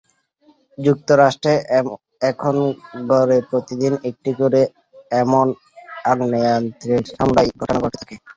যুক্তরাষ্ট্রে এখন গড়ে প্রতিদিন একটি করে এমন আগ্নেয়াস্ত্রের হামলার ঘটনা ঘটে থাকে।